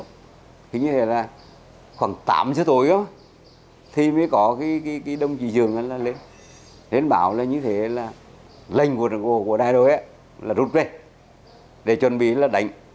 thì như thế là khoảng tám giờ tối á thì mới có cái đông trị giường lên bảo là như thế là lệnh của đại đội á là rút lên để chuẩn bị là đánh